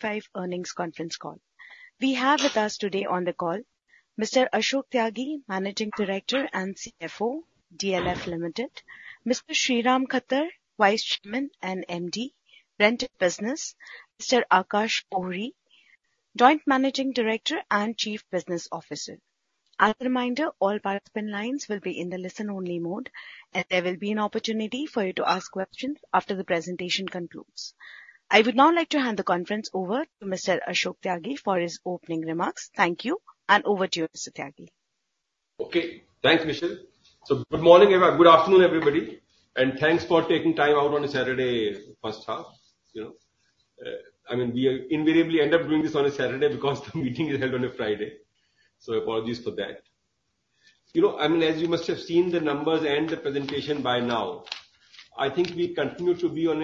Five earnings conference call. We have with us today on the call Mr. Ashok Tyagi, Managing Director and CFO, DLF Limited. Mr. Sriram Khattar, Vice Chairman and MD, Rental Business. Mr. Aakash Ohri, Joint Managing Director and Chief Business Officer. As a reminder, all participant lines will be in the listen-only mode, and there will be an opportunity for you to ask questions after the presentation concludes. I would now like to hand the conference over to Mr. Ashok Tyagi for his opening remarks. Thank you, and over to you, Mr. Tyagi. Okay, thanks, Michelle. So good morning, good afternoon, everybody, and thanks for taking time out on a Saturday first half, you know. I mean, we invariably end up doing this on a Saturday because the meeting is held on a Friday, so apologies for that. You know, I mean, as you must have seen the numbers and the presentation by now, I think we continue to be on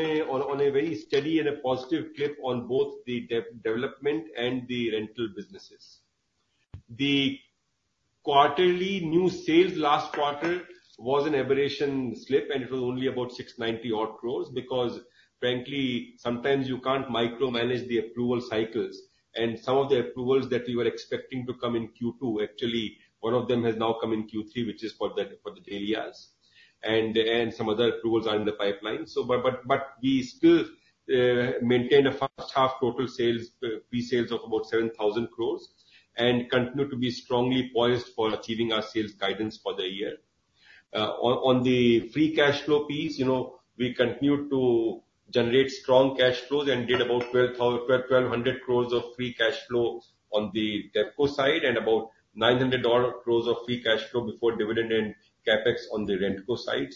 a very steady and a positive clip on both the development and the rental businesses. The quarterly new sales last quarter was an aberration slip, and it was only about 690 odd crores because frankly, sometimes you can't micromanage the approval cycles, and some of the approvals that we were expecting to come in Q2, actually, one of them has now come in Q3, which is for the Dahlias. Some other approvals are in the pipeline. We still maintained a first half total sales pre-sales of about 7,000 crores and continue to be strongly poised for achieving our sales guidance for the year. On the free cash flow piece, you know, we continue to generate strong cash flows and did about 1,200 crores of free cash flow on the DevCo side, and about 900 dollar crores of free cash flow before dividend and CapEx on the RentCo side.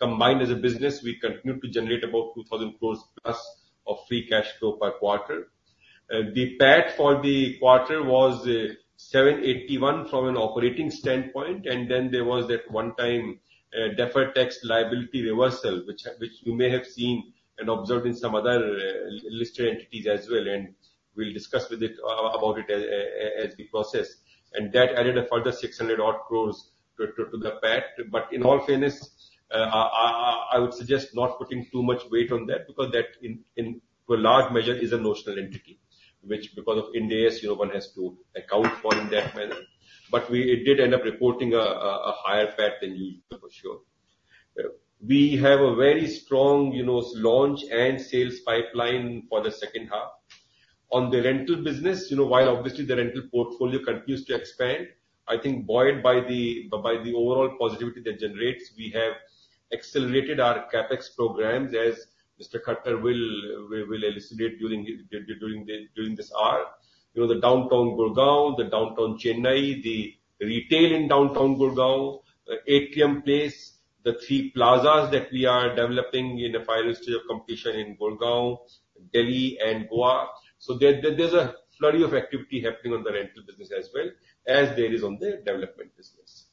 Combined as a business, we continue to generate about 2,000 crores plus of free cash flow per quarter. The PAT for the quarter was 781 from an operating standpoint, and then there was that one-time deferred tax liability reversal, which you may have seen and observed in some other listed entities as well, and we'll discuss with it about it as we process. That added a further 600-odd crores to the PAT. In all fairness, I would suggest not putting too much weight on that, because that in to a large measure is a notional entity, which because of Ind AS, you know, one has to account for in that manner. It did end up reporting a higher PAT than the year before, sure. We have a very strong, you know, launch and sales pipeline for the second half. On the rental business, you know, while obviously the rental portfolio continues to expand, I think buoyed by the overall positivity that generates, we have accelerated our CapEx programs, as Mr. Khattar will elucidate during this hour. You know, the Downtown Gurgaon, the Downtown Chennai, the retail in Downtown Gurgaon, Atrium Place, the three plazas that we are developing in the final stage of completion in Gurgaon, Delhi and Goa. So there's a flurry of activity happening on the rental business as well as there is on the development business.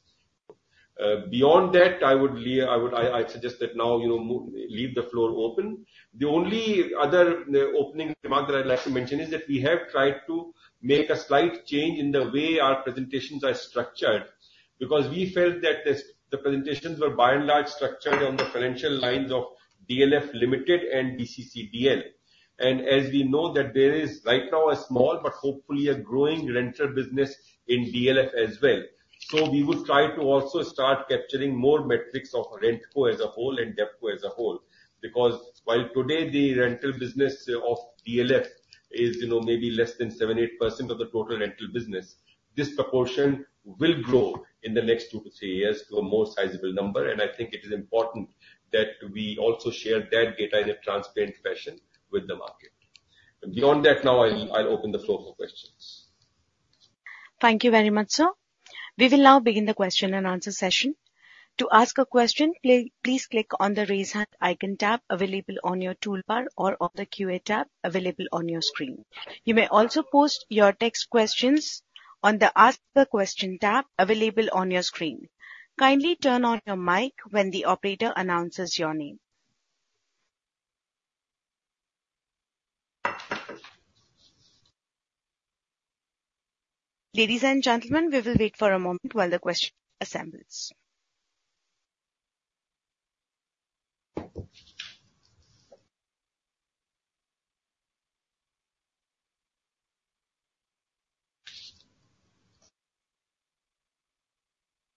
Beyond that, I would suggest that now, you know, leave the floor open. The only other opening remark that I'd like to mention is that we have tried to make a slight change in the way our presentations are structured. Because we felt that this, the presentations were by and large structured on the financial lines of DLF Limited and DCCDL. And as we know that there is right now a small but hopefully a growing rental business in DLF as well. So we would try to also start capturing more metrics of RentCo as a whole and DevCo as a whole. Because while today the rental business of DLF is, you know, maybe less than 78% of the total rental business, this proportion will grow in the next two to three years to a more sizable number, and I think it is important that we also share that data in a transparent fashion with the market. Beyond that, now I'll open the floor for questions. Thank you very much, sir. We will now begin the question and answer session. To ask a question, please click on the Raise Hand icon tab available on your toolbar or on the QA tab available on your screen. You may also post your text questions on the Ask the Question tab available on your screen. Kindly turn on your mic when the operator announces your name. Ladies and gentlemen, we will wait for a moment while the question assembles.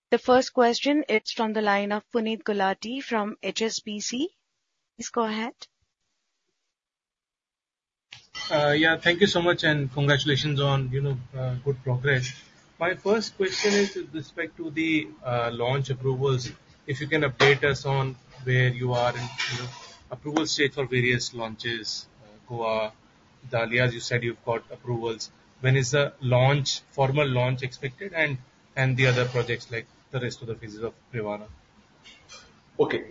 The first question is from the line of Puneet Gulati from HSBC. Please go ahead. Yeah, thank you so much, and congratulations on, you know, good progress. My first question is with respect to the launch approvals. If you can update us on where you are in, you know, approval state for various launches, Goa, Dahlias, you said you've got approvals. When is the launch, formal launch expected and, and the other projects like the rest of the phases of Privana? Okay.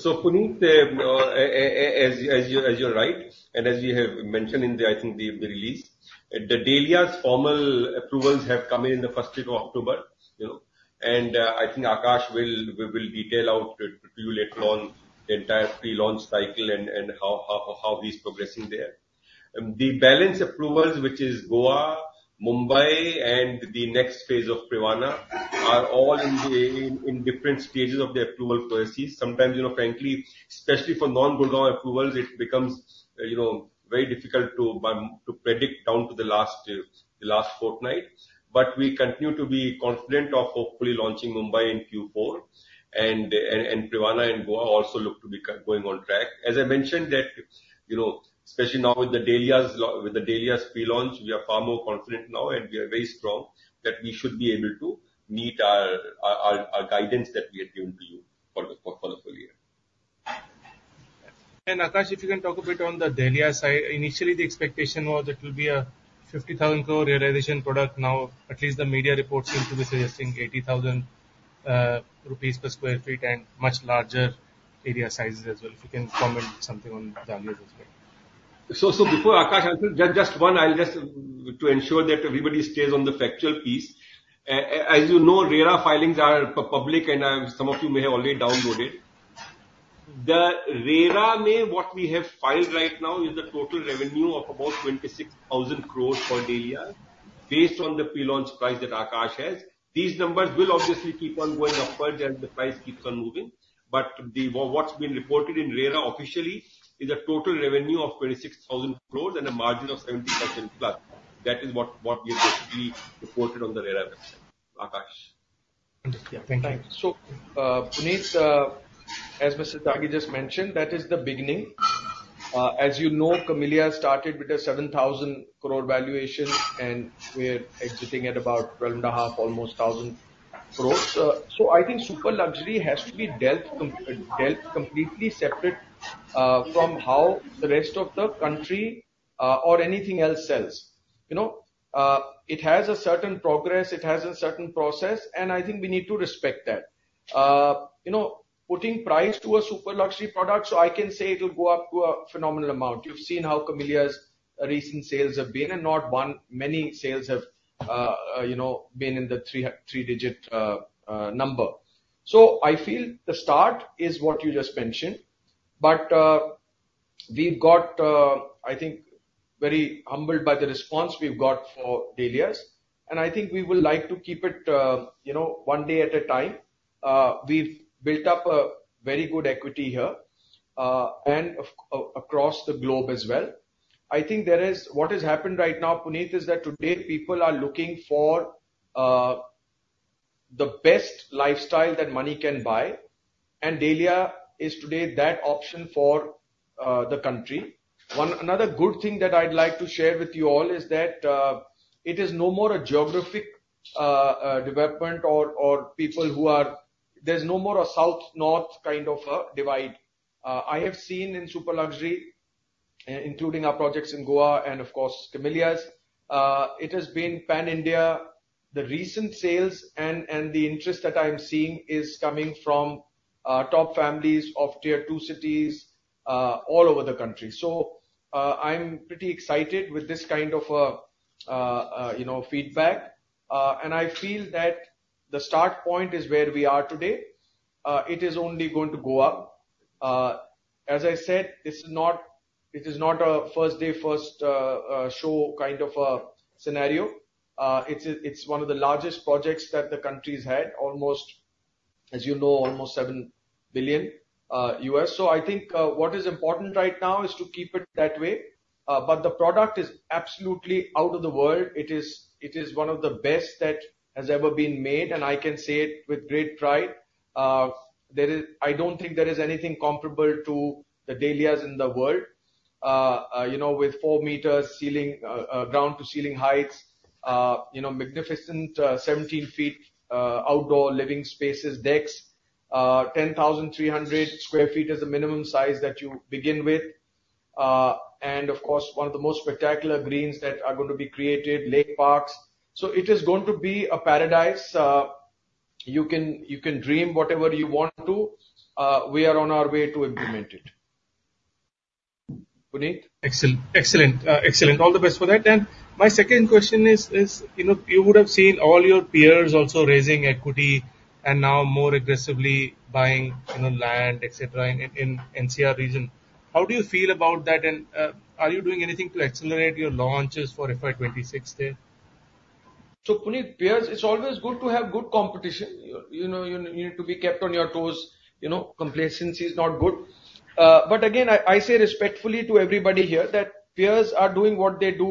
So Puneet, as you, as you're right, and as we have mentioned in the, I think the release, the Dahlias formal approvals have come in in the first week of October, you know, and I think Aakash will detail out to you later on the entire pre-launch cycle and how he's progressing there. The balance approvals, which is Mumbai and the next phase of Privana are all in different stages of the approval processes. Sometimes, you know, frankly, especially for non-Gurgaon approvals, it becomes, you know, very difficult to predict down to the last fortnight. But we continue to be confident of hopefully launching Mumbai in Q4, and Privana and Goa also look to be going on track. As I mentioned that, you know, especially now with the Dahlias pre-launch, we are far more confident now, and we are very strong that we should be able to meet our guidance that we had given to you for the full year. Aakash, if you can talk a bit on the Dahlias side. Initially, the expectation was it will be a 50,000 crore realization product. Now, at least the media reports seem to be suggesting 80,000 rupees per sq ft and much larger area sizes as well. If you can comment something on Dahlias as well. Before Aakash answers, just one, to ensure that everybody stays on the factual piece. As you know, RERA filings are public, and some of you may have already downloaded. The RERA filing, what we have filed right now is the total revenue of about 26,000 crores for Dahlias, based on the pre-launch price that Aakash has. These numbers will obviously keep on going upward as the price keeps on moving. But what's been reported in RERA officially is a total revenue of 26,000 crores and a margin of 70% plus. That is what we have basically reported on the RERA website. Aakash? Yeah, thank you. Thanks. So, Puneet, as Mr. Tyagi just mentioned, that is the beginning. As you know, Camellias started with a 7,000 crore valuation, and we are exiting at about 12,500 crores. So I think super luxury has to be dealt completely separate from how the rest of the country or anything else sells. You know, it has a certain prestige, it has a certain process, and I think we need to respect that. You know, putting price to a super luxury product, so I can say it will go up to a phenomenal amount. You've seen how Camellias's recent sales have been, and not one, many sales have, you know, been in the three-digit number. So I feel the start is what you just mentioned. But we've got, I think, very humbled by the response we've got for Dahlias, and I think we would like to keep it, you know, one day at a time. We've built up a very good equity here, and across the globe as well. What has happened right now, Puneet, is that today, people are looking for the best lifestyle that money can buy, and Dahlia is today that option for the country. Another good thing that I'd like to share with you all is that it is no more a geographic development or people who are - there's no more a south, north kind of a divide. I have seen in super luxury, including our projects in Goa and, of course, Camellias, it has been pan-India. The recent sales and the interest that I am seeing is coming from top families of tier two cities all over the country, so I'm pretty excited with this kind of a you know, feedback, and I feel that the start point is where we are today. It is only going to go up. As I said, this is not a first day first show kind of a scenario. It's one of the largest projects that the country's had, almost, as you know, almost $7 billion. So I think what is important right now is to keep it that way, but the product is absolutely out of the world. It is one of the best that has ever been made, and I can say it with great pride. There is. I don't think there is anything comparable to the Dahlias in the world. You know, with four meters ceiling, ground to ceiling heights, you know, magnificent, 17 feet, outdoor living spaces decks, 10,300 sq ft is the minimum size that you begin with. And of course, one of the most spectacular greens that are going to be created, lake parks. So it is going to be a paradise. You can, you can dream whatever you want to. We are on our way to implement it. Puneet? Excellent. All the best for that. And my second question is, you know, you would have seen all your peers also raising equity and now more aggressively buying, you know, land, et cetera, in NCR region. How do you feel about that, and are you doing anything to accelerate your launches for FY twenty-six then? So, Puneet, peers, it's always good to have good competition. You know, you need to be kept on your toes. You know, complacency is not good, but again, I say respectfully to everybody here that peers are doing what they do,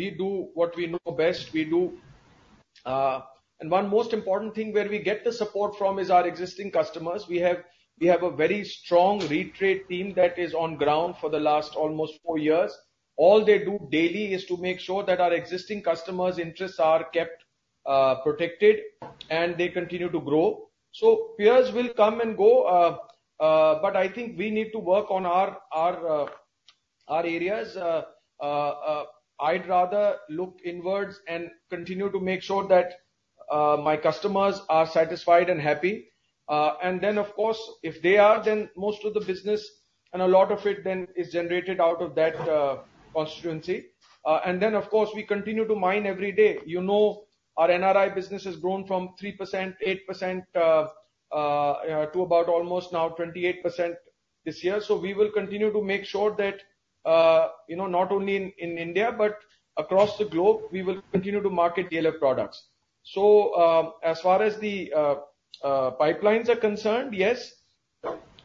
we do what we know best. We do, and one most important thing, where we get the support from, is our existing customers. We have a very strong retention team that is on ground for the last almost four years. All they do daily is to make sure that our existing customers' interests are kept protected, and they continue to grow. Peers will come and go, but I think we need to work on our areas. I'd rather look inwards and continue to make sure that my customers are satisfied and happy, and then, of course, if they are, then most of the business and a lot of it then is generated out of that constituency, and then, of course, we continue to mine every day. You know, our NRI business has grown from 3%, 8%, to about almost now 28% this year, so we will continue to make sure that you know, not only in India, but across the globe, we will continue to market DLF products. So, as far as the pipelines are concerned, yes,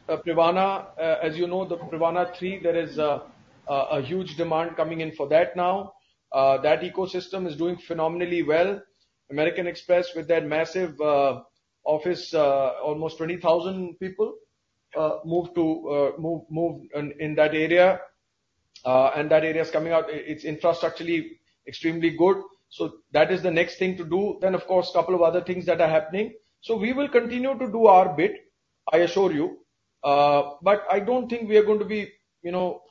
Privana, as you know, the Privana III, there is a huge demand coming in for that now. That ecosystem is doing phenomenally well. American Express, with their massive office, almost 20,000 people, moved in in that area, and that area is coming out, it's infrastructurally extremely good, so that is the next thing to do, then, of course, couple of other things that are happening, so we will continue to do our bit, I assure you, but I don't think we are going to be, you know,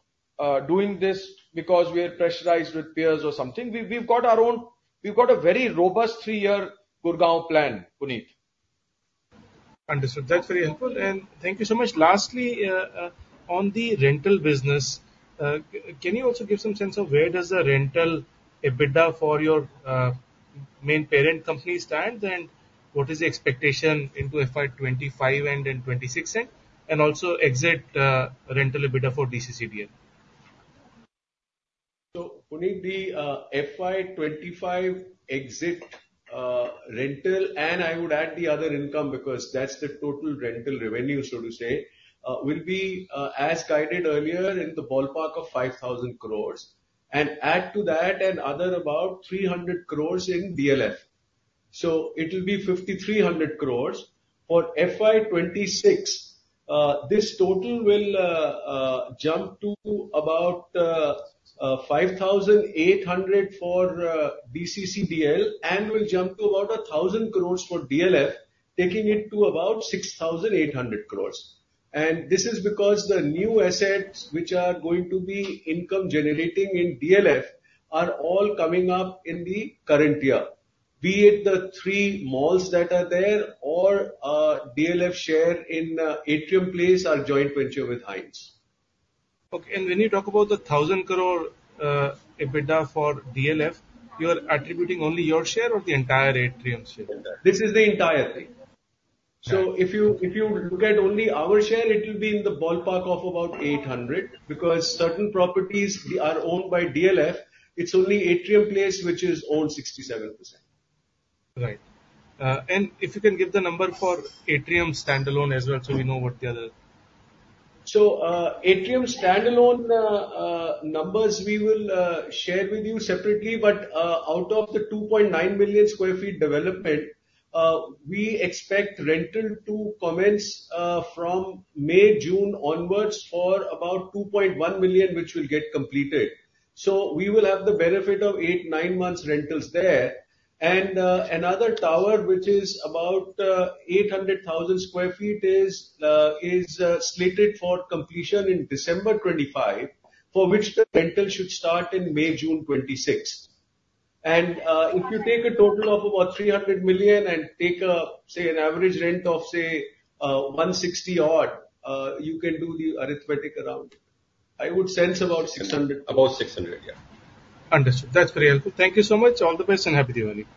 doing this because we are pressurized with peers or something. We've got our own. We've got a very robust three-year Gurgaon plan, Puneet. Understood. That's very helpful, and thank you so much. Lastly, on the rental business, can you also give some sense of where does the rental EBITDA for your main parent company stand? And what is the expectation into FY twenty-five and in twenty-six? And also exit rental EBITDA for DCCDL. Puneet, the FY 2025 exit rental and I would add the other income, because that's the total rental revenue, so to say, will be as guided earlier in the ballpark of 5,000 crores. Add to that another about 300 crores in DLF, so it'll be 5,300 crores. For FY 2026, this total will jump to about 5,800 for DCCDL, and will jump to about 1,000 crores for DLF, taking it to about 6,800 crores. This is because the new assets which are going to be income generating in DLF are all coming up in the current year, be it the three malls that are there or DLF share in Atrium Place, our joint venture with Hines. Okay, and when you talk about the 1,000 crore EBITDA for DLF, you are attributing only your share or the entire Atrium's share? This is the entire thing. So if you look at only our share, it will be in the ballpark of about 800, because certain properties are owned by DLF. It's only Atrium Place, which is owned 67%. Right. And if you can give the number for Atrium standalone as well, so we know what the other... Atrium standalone numbers we will share with you separately, but out of the 2.9 million sq ft development we expect rental to commence from May-June onwards for about 2.1 million which will get completed. We will have the benefit of 8-9 months' rentals there. Another tower which is about 800,000 sq ft is slated for completion in December 2025 for which the rental should start in May-June 2026. If you take a total of about 300 million and take a say an average rent of say 160-odd you can do the arithmetic around. I would sense about 600. About six hundred, yeah. Understood. That's very helpful. Thank you so much. All the best, and happy Diwali!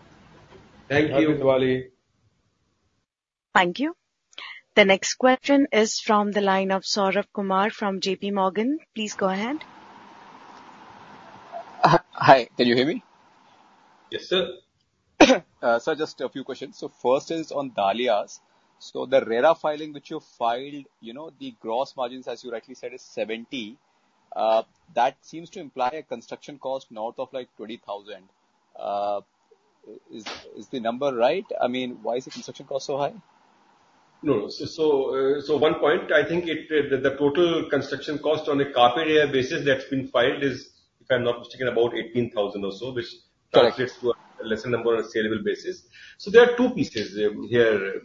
Thank you. Happy Diwali. Thank you. The next question is from the line of Saurabh Kumar from J.P. Morgan. Please go ahead. Hi. Can you hear me? Yes, sir. Sir, just a few questions. First is on Dahlias. The RERA filing, which you filed, you know, the gross margins, as you rightly said, is 70%. That seems to imply a construction cost north of, like, 20,000. Is the number right? I mean, why is the construction cost so high? No, so, one point, I think the total construction cost on a carpet area basis that's been filed is, if I'm not mistaken, about 18,000 or so. Correct. which translates to a lesser number on a saleable basis. So there are two pieces here.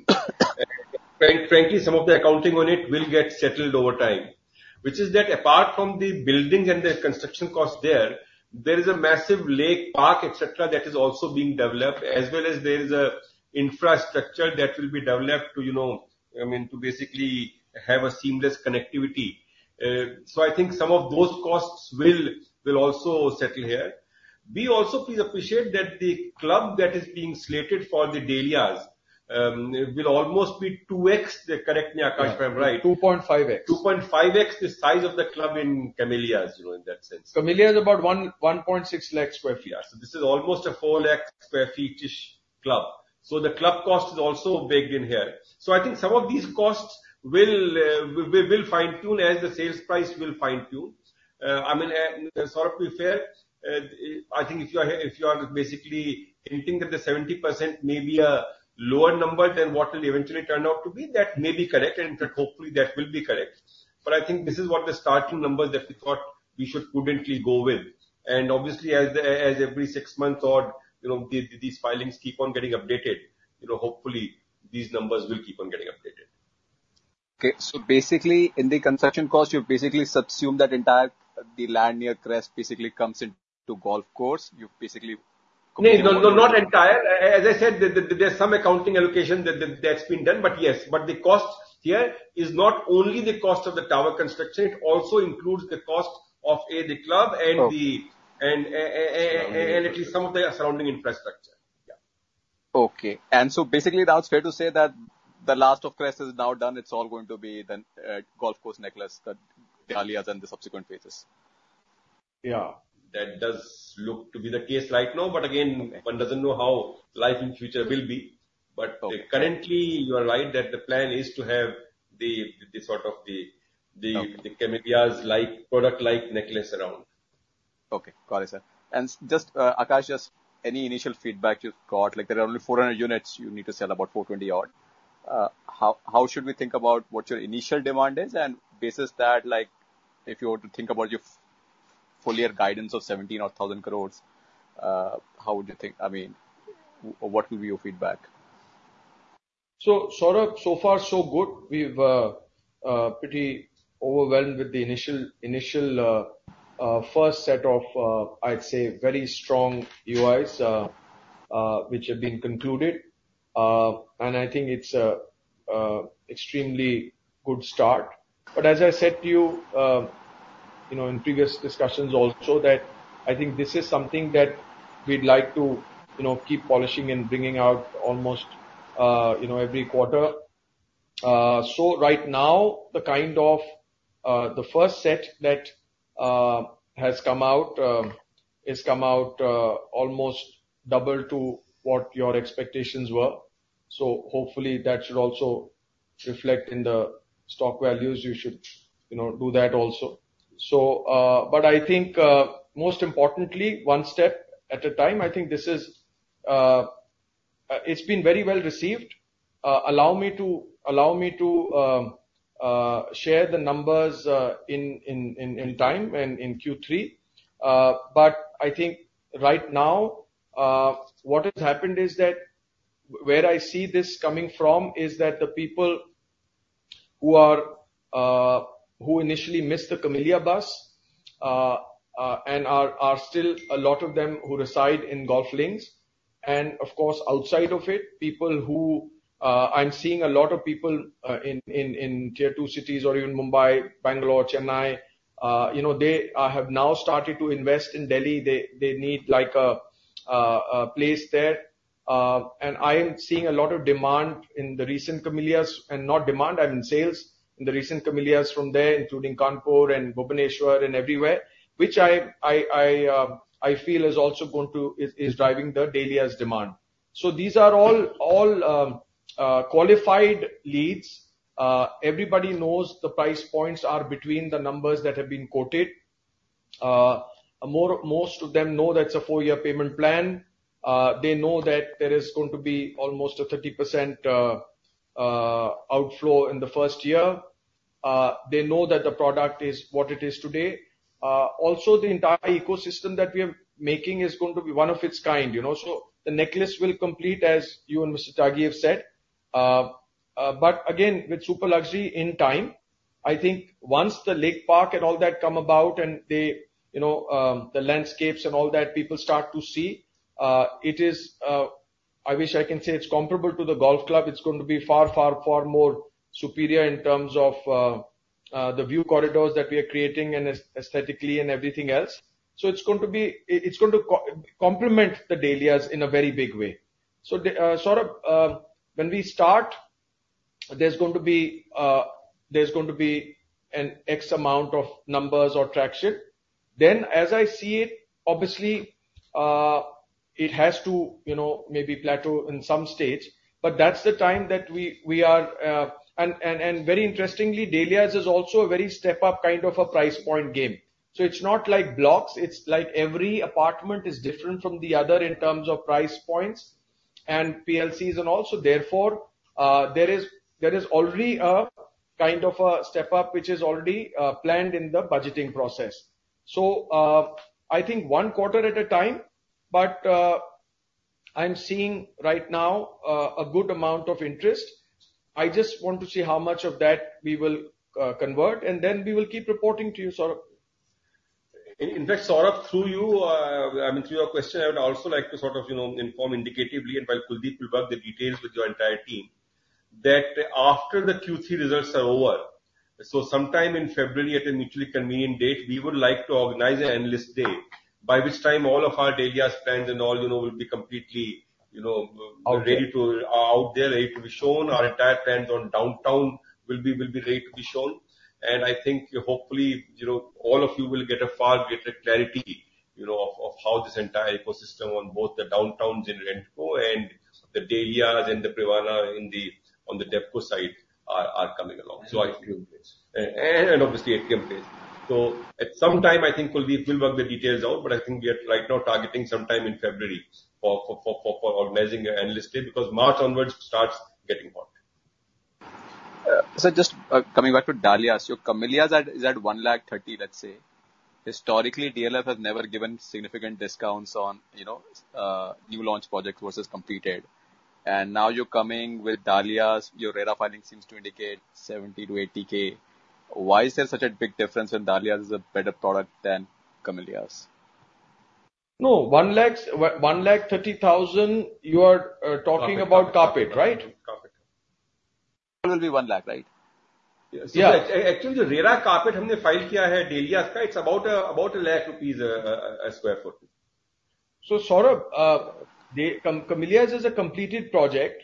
Frankly, some of the accounting on it will get settled over time, which is that apart from the buildings and the construction cost there, there is a massive lake, park, et cetera, that is also being developed, as well as there is a infrastructure that will be developed to, you know, I mean, to basically have a seamless connectivity. So I think some of those costs will also settle here. We also please appreciate that the club that is being slated for the Dahlias will almost be two X. Correct me, Aakash, if I'm right. 2.5x. 2.5 times the size of the club in Camellias, you know, in that sense. Camellias is about 1.6 lakh sq ft. Yeah, so this is almost a four lakh sq ft-ish club. So the club cost is also baked in here. So I think some of these costs will, we will fine-tune as the sales price will fine-tune. I mean, Saurabh, to be fair, I think if you are basically hinting that the 70% may be a lower number than what will eventually turn out to be, that may be correct, and hopefully that will be correct. But I think this is what the starting numbers that we thought we should prudently go with. And obviously, as every six months or, you know, these filings keep on getting updated, you know, hopefully these numbers will keep on getting updated. Okay, so basically in the construction cost, you basically subsume that entire, the land near Crest basically comes into golf course. You basically- No, no, not entire. As I said, there's some accounting allocation that's been done, but yes. But the cost here is not only the cost of the tower construction, it also includes the cost of A, the club- Okay. and at least some of the surrounding infrastructure. ...Okay. And so basically, now it's fair to say that the last of Crest is now done, it's all going to be then, Golf Course necklace, the Dahlias and the subsequent phases? Yeah. That does look to be the case right now, but again, one doesn't know how life in future will be. Okay. But currently, you are right, that the plan is to have the sort of... Okay Camellias, like, product like necklace around. Okay, got it, sir. And just, Aakash, just any initial feedback you've got? Like, there are only 400 units you need to sell, about 420-odd. How should we think about what your initial demand is, and basis that, like, if you were to think about your full-year guidance of 17,000 crores, how would you think? I mean, what will be your feedback? So, Saurabh, so far so good. We've pretty overwhelmed with the initial first set of, I'd say, very strong UIs, which have been concluded. And I think it's a extremely good start. But as I said to you, you know, in previous discussions also, that I think this is something that we'd like to, you know, keep polishing and bringing out almost, you know, every quarter. So right now, the kind of first set that has come out almost double to what your expectations were. So hopefully, that should also reflect in the stock values. You should, you know, do that also. So, but I think most importantly, one step at a time, I think this is it's been very well received. Allow me to share the numbers in time, and in Q3. But I think right now, what has happened is that where I see this coming from is that the people who initially missed the Camellias bus, and are still a lot of them who reside in Golf Links, and of course, outside of it, people who, I'm seeing a lot of people in Tier Two cities or even Mumbai, Bangalore, Chennai, you know, they have now started to invest in Delhi. They need like a place there. And I am seeing a lot of demand in the recent Camellias, and not demand, I mean, sales, in the recent Camellias from there, including Kanpur and Bhubaneswar and everywhere, which I feel is also going to drive the Dahlias demand. So these are all qualified leads. Everybody knows the price points are between the numbers that have been quoted. Most of them know that's a four-year payment plan. They know that there is going to be almost a 30% outflow in the first year. They know that the product is what it is today. Also, the entire ecosystem that we are making is going to be one of its kind, you know? So the necklace will complete, as you and Mr. Tyagi have said. But again, with super luxury in time, I think once the lake park and all that come about and the, you know, the landscapes and all that, people start to see, it is, I wish I can say it's comparable to the golf club. It's going to be far, far, far more superior in terms of, the view corridors that we are creating and aesthetically, and everything else. So it's going to be... It's going to complement the Dahlias in a very big way. So, Saurabh, when we start, there's going to be an X amount of numbers or traction. Then, as I see it, obviously, it has to, you know, maybe plateau in some stage, but that's the time that we are... Very interestingly, Dahlias is also a very step-up kind of a price point game. So it's not like blocks, it's like every apartment is different from the other in terms of price points and PLCs and all. So therefore, there is already a kind of a step up, which is already planned in the budgeting process. So, I think one quarter at a time, but, I'm seeing right now a good amount of interest. I just want to see how much of that we will convert, and then we will keep reporting to you, Saurabh. In fact, Saurabh, through you, I mean, through your question, I would also like to sort of, you know, inform indicatively, and Kuldeep will work the details with your entire team, that after the Q3 results are over, so sometime in February, at a mutually convenient date, we would like to organize an analyst day, by which time all of our Dahlias plans and all, you know, will be completely, you know, Out there. Ready to be out there, ready to be shown. Our entire plans on Downtown will be ready to be shown, and I think hopefully, you know, all of you will get a far greater clarity, you know, of how this entire ecosystem on both the Downtowns in RentCo and the Dahlias and the Privana on the DevCo side are coming along. And Atrium Place. And obviously, Atrium Place. So at some time, I think Kuldeep will work the details out, but I think we are right now targeting sometime in February for organizing an analyst day, because March onwards starts getting important. So just coming back to Dahlias. Your Camellias is at one lakh thirty, let's say. Historically, DLF has never given significant discounts on, you know, new launch projects versus completed. And now you're coming with Dahlias. Your RERA filing seems to indicate seventy to eighty K. Why is there such a big difference when Dahlias is a better product than Camellias? No, one lakhs, one lakh thirty thousand, you are talking about carpet, right? ...will be one lakh, right? Yes. Yeah, actually, the RERA carpet Humne file kiya hai Dahlias ka, it's about a lakh rupees a sq ft. So Saurabh, the Camellias is a completed project.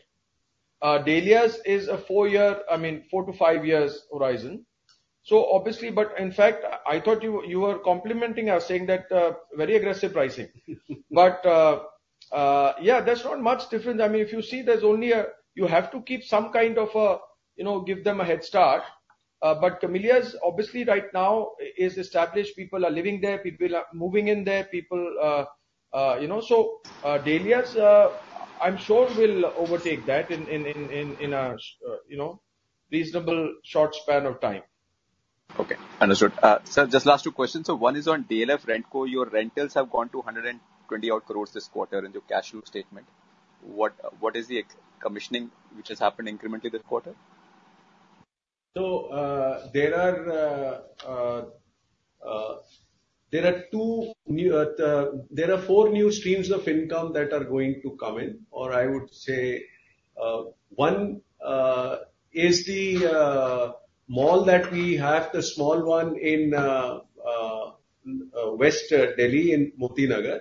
Dahlias is a four-year, I mean, four to five years horizon. So obviously, but in fact, I thought you were complimenting us, saying that very aggressive pricing. But yeah, there's not much difference. I mean, if you see, there's only. You have to keep some kind of a, you know, give them a head start. But Camellias, obviously right now, is established. People are living there, people are moving in there, people, you know? So, Dahlias, I'm sure will overtake that in a, you know, reasonable short span of time. Okay, understood. Sir, just last two questions. So one is on DLF RentCo. Your rentals have gone to 120-odd crores this quarter in the cash flow statement. What is the ex-commissioning which has happened incrementally this quarter? So, there are four new streams of income that are going to come in, or I would say, one is the mall that we have, the small one in West Delhi in Moti Nagar.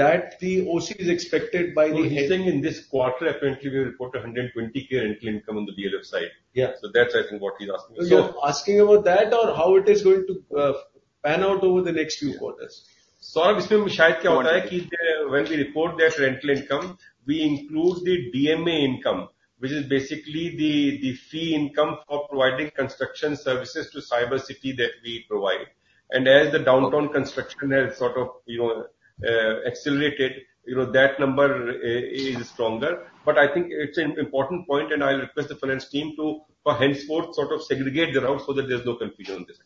That the OC is expected by the- Leasing in this quarter, apparently we will report 120,000 rental income on the DLF side. Yeah. So that's, I think, what he's asking. So you're asking about that, or how it is going to pan out over the next few quarters? Saurabh, isme shayad kya hota hai ki, when we report that rental income, we include the DMA income, which is basically the fee income for providing construction services to Cyber City that we provide. And as the downtown construction has sort of, you know, accelerated, you know, that number is stronger. But I think it's an important point, and I'll request the finance team to, for henceforth, sort of segregate that out so that there's no confusion on this.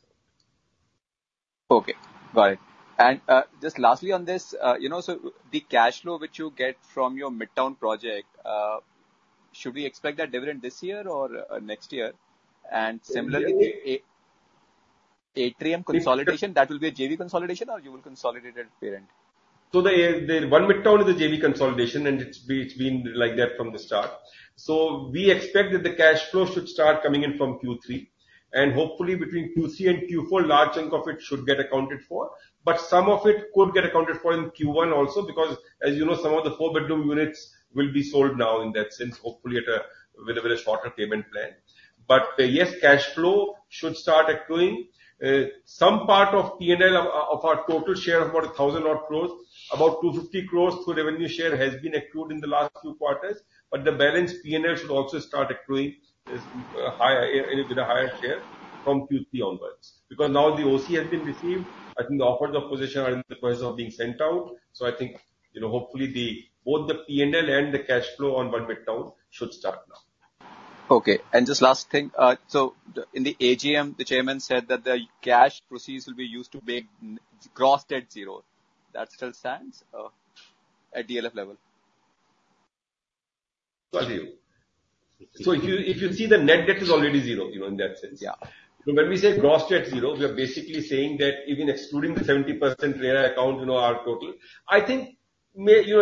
Okay. Got it. And, just lastly on this, you know, so the cash flow which you get from your Midtown project, should we expect that dividend this year or next year? And similarly, the Atrium consolidation, that will be a JV consolidation or you will consolidate it parent? So the One Midtown is a JV consolidation, and it's been like that from the start. We expect that the cash flow should start coming in from Q3, and hopefully between Q3 and Q4, large chunk of it should get accounted for. But some of it could get accounted for in Q1 also, because, as you know, some of the four-bedroom units will be sold now in that sense, hopefully with a very shorter payment plan. But yes, cash flow should start accruing. Some part of P&L of our total share of about 1,000 odd crores, about 250 crores to revenue share, has been accrued in the last few quarters, but the balance P&L should also start accruing as higher, with a higher share from Q3 onwards. Because now the OC has been received, I think the offers of possession are in the process of being sent out, so I think, you know, hopefully, both the P&L and the cash flow on One Midtown should start now. Okay. And just last thing: so, in the AGM, the chairman said that the cash proceeds will be used to make gross debt zero. That still stands, at DLF level? So, if you, if you see, the net debt is already zero, you know, in that sense. Yeah. So when we say gross debt zero, we are basically saying that even excluding the 70% RERA account, you know, our total, I think, may, you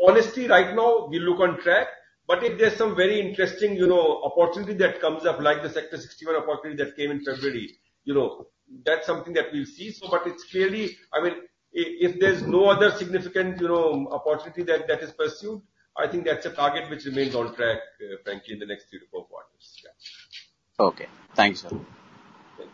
know... Honestly, right now, we look on track, but if there's some very interesting, you know, opportunity that comes up, like the Sector 61 opportunity that came in February, you know, that's something that we'll see. So but it's clearly, I mean, if there's no other significant, you know, opportunity that, that is pursued, I think that's a target which remains on track, frankly, in the next three to four quarters. Yeah. Okay. Thanks, sir. Thank you.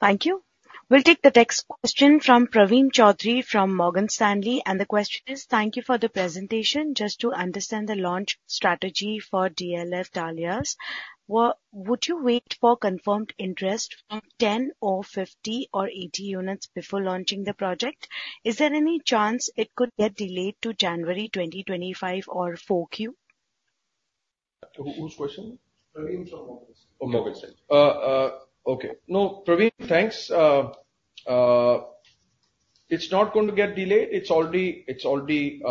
Thank you. We'll take the next question from Praveen Chaudhary from Morgan Stanley. And the question is: "Thank you for the presentation. Just to understand the launch strategy for DLF Dahlias, would you wait for confirmed interest from 10 or 50 or 80 units before launching the project? Is there any chance it could get delayed to January 2025 or 4Q? Who? Whose question? Praveen from Morgan Stanley. Okay. No, Praveen, thanks. It's not going to get delayed. It's already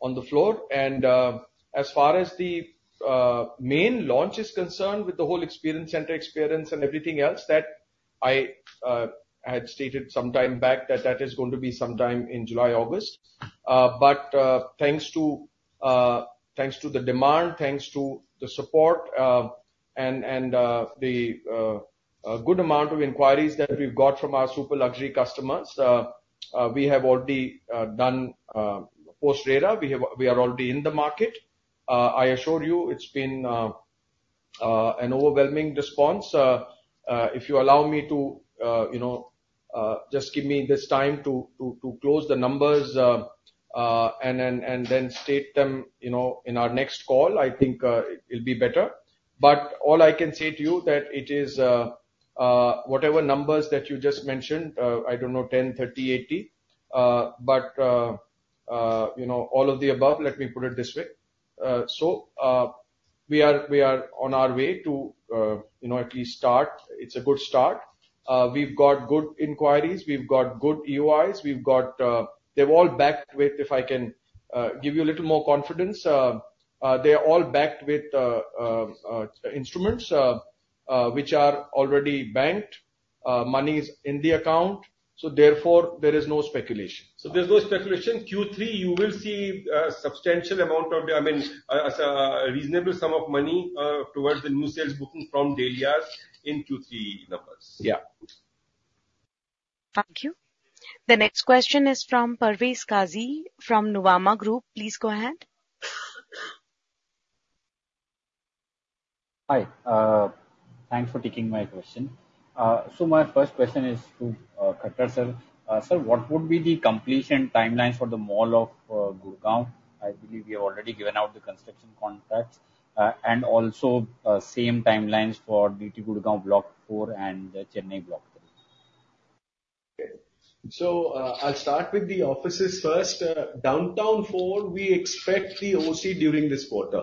on the floor. And as far as the main launch is concerned, with the whole experience center experience and everything else, that I had stated some time back, that is going to be sometime in July, August. But thanks to the demand, thanks to the support, and the good amount of inquiries that we've got from our super luxury customers, we have already done post-RERA. We are already in the market. I assure you, it's been an overwhelming response. If you allow me to, you know, just give me this time to close the numbers, and then state them, you know, in our next call, I think it'll be better. But all I can say to you that it is whatever numbers that you just mentioned, I don't know, ten, thirty, eighty, but you know, all of the above, let me put it this way. So, we are on our way to, you know, at least start. It's a good start. We've got good inquiries. We've got good UIs. We've got, they're all backed with, if I can give you a little more confidence, they are all backed with instruments which are already banked. Money is in the account, so therefore, there is no speculation. So there's no speculation. Q3, you will see, substantial amount of the, I mean, as, a reasonable sum of money, towards the new sales booking from The Dahlias in Q3 numbers. Yeah. Thank you. The next question is from Parvez Kazi from Nuvama Group. Please go ahead. Hi, thanks for taking my question, so my first question is to Khattar sir. Sir, what would be the completion timelines for the Mall of Gurgaon? I believe you've already given out the construction contracts, and also same timelines for DT Gurgaon Block four and Chennai Block three. Okay. I'll start with the offices first. Downtown Four, we expect the OC during this quarter.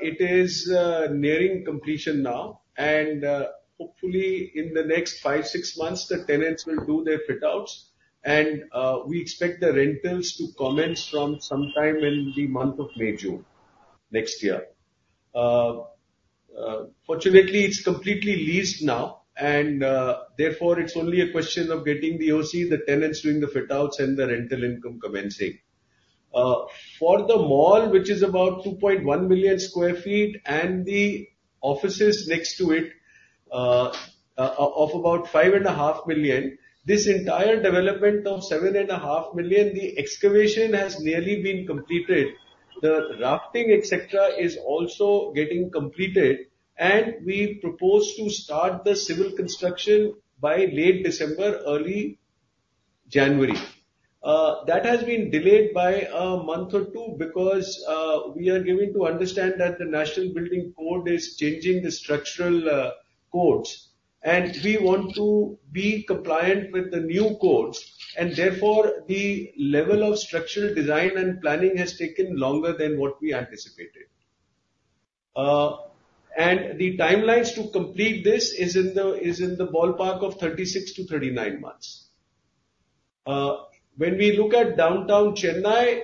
It is nearing completion now. Hopefully, in the next five, six months, the tenants will do their fit-outs. We expect the rentals to commence from sometime in the month of May, June next year. Fortunately, it's completely leased now, and therefore, it's only a question of getting the OC, the tenants doing the fit-outs and the rental income commencing. For the mall, which is about 2.1 million sq ft, and the offices next to it, of about 5.5 million, this entire development of 7.5 million, the excavation has nearly been completed. The drafting, et cetera, is also getting completed, and we propose to start the civil construction by late December, early January. That has been delayed by a month or two because we are given to understand that the National Building Code is changing the structural codes, and we want to be compliant with the new codes. Therefore, the level of structural design and planning has taken longer than what we anticipated. And the timelines to complete this is in the ballpark of 36-39 months. When we look at Downtown Chennai,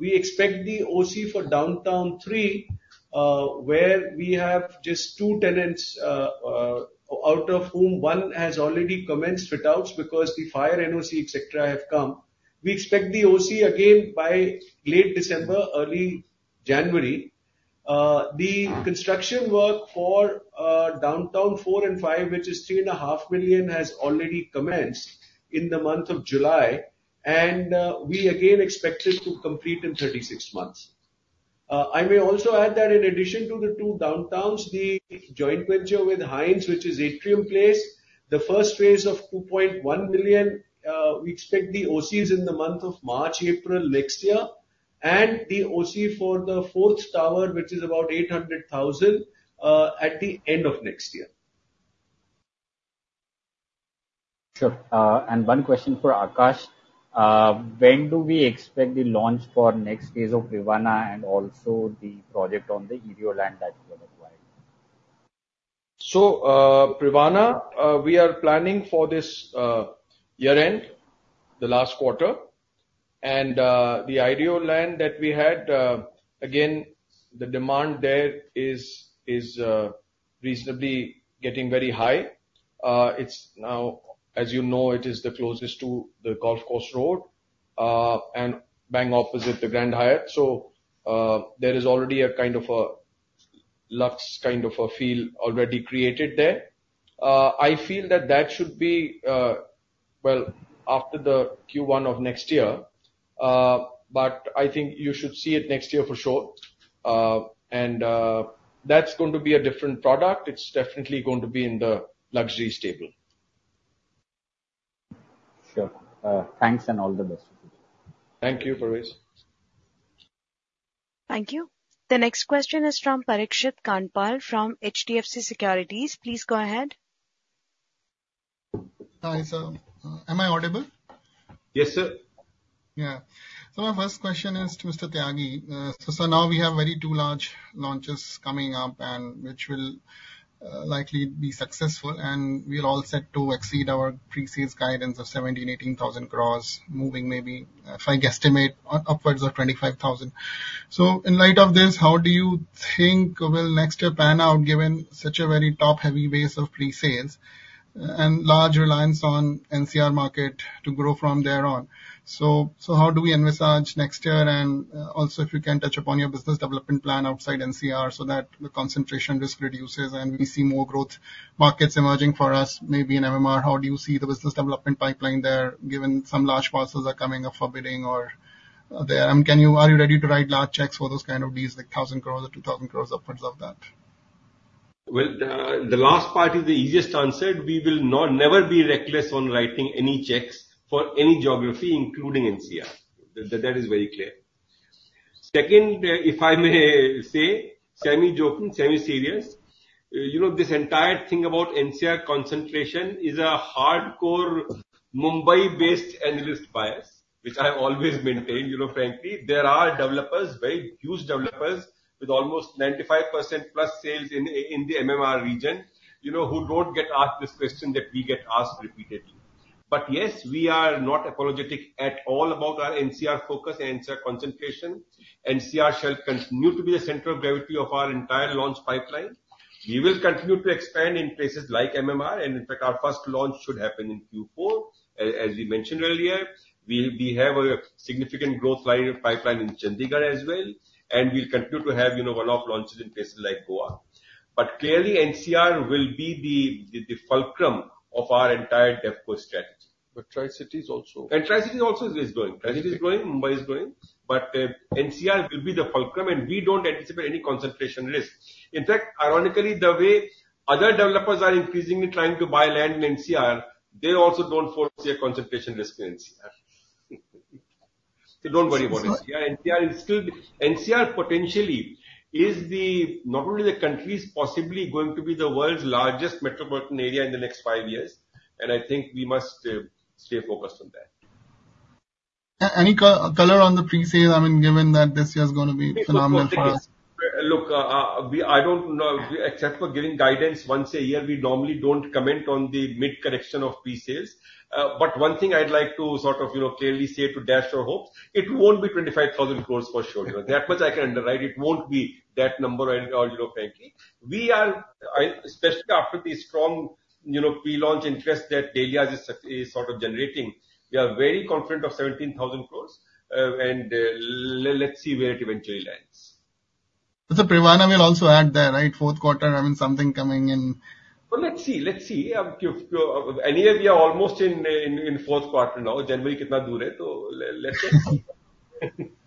we expect the OC for Downtown 3, where we have just two tenants, out of whom one has already commenced fit-outs because the Fire NOC, et cetera, have come. We expect the OC again by late December, early January. The construction work for Downtown four and five, which is 3.5 million, has already commenced in the month of July, and we again expect it to complete in 36 months. I may also add that in addition to the two Downtowns, the joint venture with Hines, which is Atrium Place, the first phase of 2 billion, we expect the OCs in the month of March, April next year, and the OC for the fourth tower, which is about 800,000, at the end of next year. Sure. One question for Aakash. When do we expect the launch for next phase of Privana and also the project on the IREO land that you have acquired? So, Privana, we are planning for this year end, the last quarter, and the IREO land that we had, again, the demand there is reasonably getting very high. It's now, as you know, it is the closest to the Golf Course Road, and bang opposite the Grand Hyatt, so there is already a kind of a luxe kind of a feel already created there. I feel that that should be well after the Q1 of next year, but I think you should see it next year for sure, and that's going to be a different product. It's definitely going to be in the luxury stable. Sure. Thanks and all the best. Thank you, Parvez. Thank you. The next question is from Parikshit Kandpal, from HDFC Securities. Please go ahead. Hi, sir. Am I audible? Yes, sir. Yeah. So my first question is to Mr. Tyagi. So now we have two very large launches coming up, and which will likely be successful, and we are all set to exceed our pre-sales guidance of 17-18 thousand crores, moving maybe, if I guesstimate, upwards of 25 thousand. So in light of this, how do you think will next year pan out, given such a very top-heavy base of pre-sales and large reliance on NCR market to grow from there on? So how do we envisage next year? And also, if you can touch upon your business development plan outside NCR so that the concentration risk reduces and we see more growth markets emerging for us, maybe in MMR. How do you see the business development pipeline there, given some large parcels are coming up for bidding or there? Are you ready to write large checks for those kind of deals, like 1,000 crores or 2,000 crores, upwards of that? The last part is the easiest answer. We will not, never be reckless on writing any checks for any geography, including NCR. That is very clear. Second, if I may say, semi-joking, semi-serious, you know, this entire thing about NCR concentration is a hardcore Mumbai-based analyst bias, which I've always maintained. You know, frankly, there are developers, very huge developers, with almost 95% plus sales in the MMR region, you know, who don't get asked this question that we get asked repeatedly. But yes, we are not apologetic at all about our NCR focus and NCR concentration. NCR shall continue to be the center of gravity of our entire launch pipeline. We will continue to expand in places like MMR, and in fact, our first launch should happen in Q4. As we mentioned earlier, we have a significant growth line of pipeline in Chandigarh as well, and we'll continue to have, you know, one-off launches in places like Goa. But clearly, NCR will be the fulcrum of our entire DevCo strategy. But Tri-city also. Tri-city also is going. Tri-city is growing, Mumbai is growing, but NCR will be the fulcrum, and we don't anticipate any concentration risk. In fact, ironically, the way other developers are increasingly trying to buy land in NCR, they also don't foresee a concentration risk in NCR. Don't worry about NCR. NCR potentially is the, not only the country's, possibly going to be the world's largest metropolitan area in the next five years, and I think we must stay focused on that. Any color on the pre-sales, I mean, given that this year is going to be phenomenal for us? Look, I don't know, except for giving guidance once a year, we normally don't comment on the mid-quarter of pre-sales. But one thing I'd like to sort of, you know, clearly say to dash your hopes, it won't be 25,000 crores for sure. That much I can underwrite. It won't be that number at all, you know, frankly. We are especially after the strong, you know, pre-launch interest that Dahlias is sort of generating, very confident of 17,000 crores. Let's see where it eventually lands. Privana will also add there, right? Fourth quarter, I mean, something coming in. Let's see. Anyway, we are almost in fourth quarter now. January. So let's see.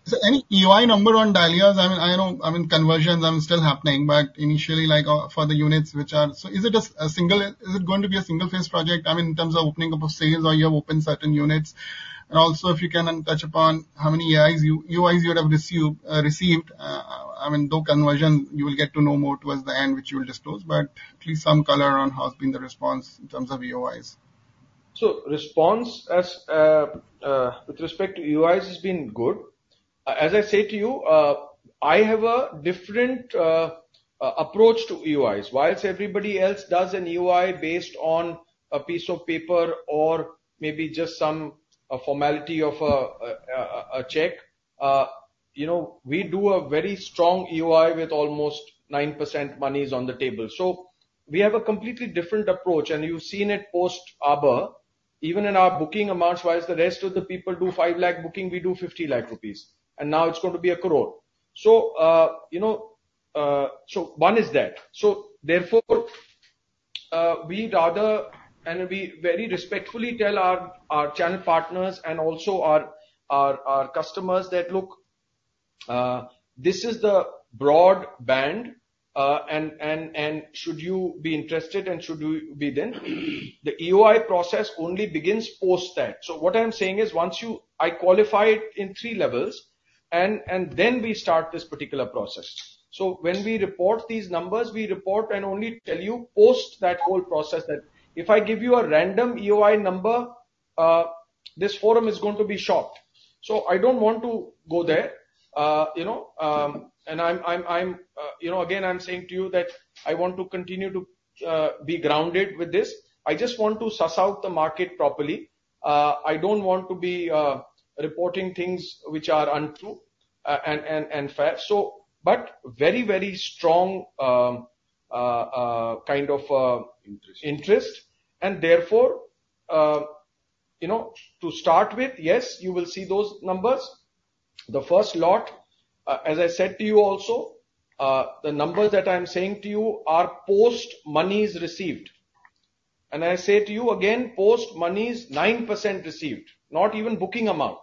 So any EOI number on Dahlias? I mean, I know, I mean, conversions, still happening, but initially, like, for the units which are... So is it a single-phase project, I mean, in terms of opening up of sales or you have opened certain units? And also, if you can then touch upon how many EOIs you would have received, received. I mean, though conversion, you will get to know more towards the end, which you will disclose, but at least some color around how has been the response in terms of EOIs. So response as with respect to EOIs has been good. As I said to you, I have a different approach to EOIs. Whilst everybody else does an EOI based on a piece of paper or maybe just some formality of a check, you know, we do a very strong EOI with almost 9% monies on the table. So we have a completely different approach, and you've seen it post Arbour. Even in our booking amounts, whilst the rest of the people do 5 lakh booking, we do 50 lakh rupees, and now it's going to be 1 crore. So, you know, so one is that. So therefore, we'd rather, and we very respectfully tell our channel partners and also our customers that: Look, this is the broad band, and should you be interested and should you be then, the EOI process only begins post that. So what I'm saying is, once I qualify it in three levels, and then we start this particular process. So when we report these numbers, we report and only tell you post that whole process, that if I give you a random EOI number, this forum is going to be shocked. So I don't want to go there. You know, and I'm, you know, again, I'm saying to you that I want to continue to be grounded with this. I just want to suss out the market properly. I don't want to be reporting things which are untrue and unfair, but very, very strong kind of Interest. interest, and therefore, you know, to start with, yes, you will see those numbers. The first lot, as I said to you also, the numbers that I'm saying to you are post monies received. And I say to you again, post monies, 9% received, not even booking amount.